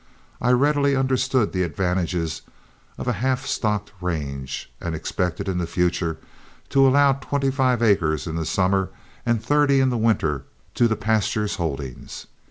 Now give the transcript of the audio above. I readily understood the advantages of a half stocked range, and expected in the future to allow twenty five acres in the summer and thirty in the winter to the pasture's holdings.